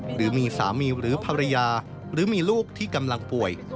หรือมีสามีหรือภรรยาหรือมีลูกที่กำลังป่วย